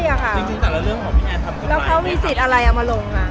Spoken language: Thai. จริงจริงแต่ละเรื่องของพี่แอดแล้วเขามีสิทธิ์อะไรออกมาลงอ่ะ